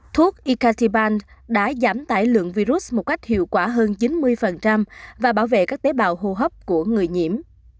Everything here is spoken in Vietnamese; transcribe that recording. thuốc ikatiban đã giảm tải lượng virus một cách hiệu quả hơn chín mươi và bảo vệ các tế bào hô hấp của người nhiễm